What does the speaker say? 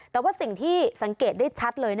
แต่ว่าสิ่งที่สังเกตได้ชัดเลย